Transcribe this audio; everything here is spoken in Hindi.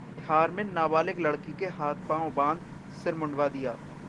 बिहार में नाबालिग लड़की के हाथ-पांव बांध सिर मुंडवा दिया